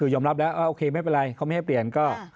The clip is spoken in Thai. ยอมรับแล้วโอเคไม่เป็นไรเขาไม่ให้เปลี่ยนก็